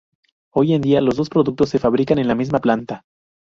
Hoy en día, los dos productos se fabrican en la misma planta.